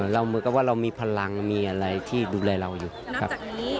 เหมือนกับว่าเรามีพลังมีอะไรที่ดูแลเราอยู่ครับ